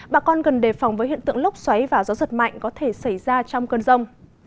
bà con cần đề phòng với hiện tượng lốc xoáy và gió giật mạnh có thể xảy ra trong cơn rông